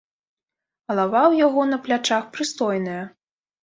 Галава ў яго на плячах прыстойная.